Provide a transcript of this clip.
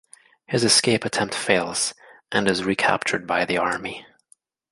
His escape attempt fails, and is recaptured by the Army.